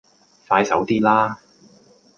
快手啲啦